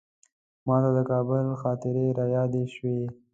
ماته د کابل خاطرې رایادې شوې.